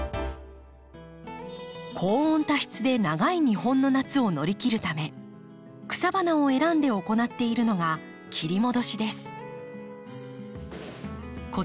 高温多湿で長い日本の夏を乗り切るため草花を選んで行っているのが切り戻しです。